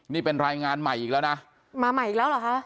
นี่เป็นรายงานใหม่อีกแล้วนะมาใหม่อีกแล้วเหรอคะ